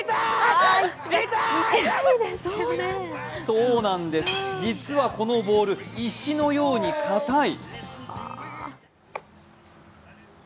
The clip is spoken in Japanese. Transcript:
そうなんです、実はこのボール、石のように硬い。